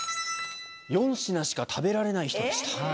４品しか食べられない人でした。